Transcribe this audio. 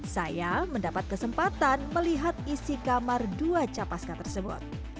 saya mendapat kesempatan melihat isi kamar dua capaska tersebut